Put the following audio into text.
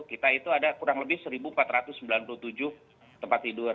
kita itu ada kurang lebih satu empat ratus sembilan puluh tujuh tempat tidur